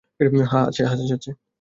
হ্যাঁঁ, আছে।